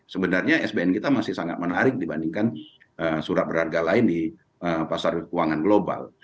sebenarnya sbn kita masih sangat menarik dibandingkan surat berharga lain di pasar keuangan global